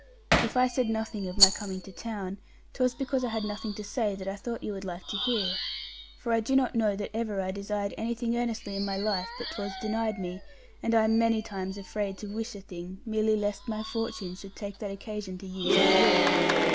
If I said nothing of my coming to town, 'twas because I had nothing to say that I thought you would like to hear. For I do not know that ever I desired anything earnestly in my life, but 'twas denied me, and I am many times afraid to wish a thing merely lest my Fortune should take that occasion to use me ill.